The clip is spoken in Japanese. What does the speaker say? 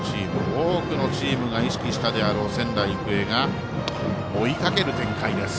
多くのチームが意識したであろう仙台育英が追いかける展開です。